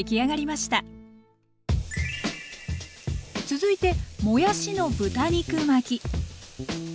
続いてもやしの豚肉巻き。